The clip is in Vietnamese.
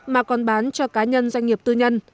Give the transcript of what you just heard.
mà còn bán cho cá nhân doanh nghiệp tư nhân